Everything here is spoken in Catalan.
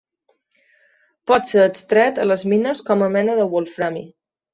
Pot ser extret a les mines com a mena del wolframi.